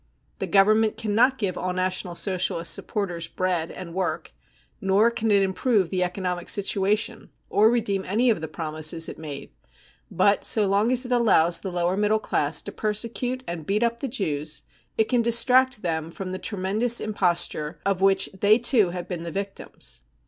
The Government cannot give all National Socialist supporters bread and work, nor can it improve the economic situation or redeem any of the promises it made ; but so long as it , allows the lower middle class to persecute and heat up the Jews it can distract them from the tremendous imposture 1 of which they too have been the victims.